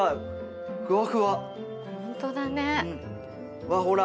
うわっほら